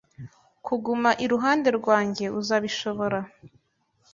kuguma iruhande rwanjye uzabishobora